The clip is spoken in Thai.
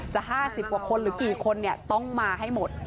๕๐กว่าคนหรือกี่คนต้องมาให้หมด